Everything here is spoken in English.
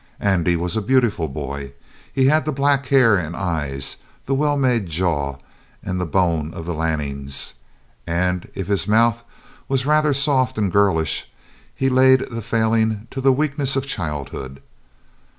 Andy was a beautiful boy. He had the black hair and eyes, the well made jaw, and the bone of the Lannings, and if his mouth was rather soft and girlish he laid the failing to the weakness of childhood.